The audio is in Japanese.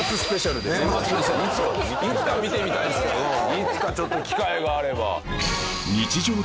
いつかちょっと機会があれば。